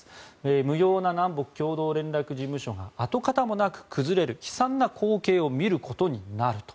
無用な南北共同連絡事務所が跡形もなく崩れる悲惨な光景を見ることになると。